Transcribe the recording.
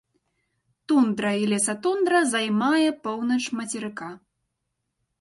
Тундра і лесатундра займае поўнач мацерыка.